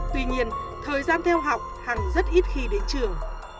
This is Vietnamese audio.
tuy nhiên thời gian theo học hằng rất ít khi đến trường